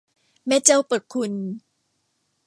แม่เจ้าประคุณ